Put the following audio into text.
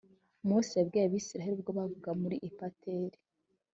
Mose yabwiye Abisirayeli ubwo bavaga muri ipatert